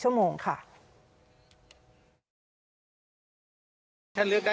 ฉันเลือกนั่นคือเรื่องที่ฉีดดีกว่า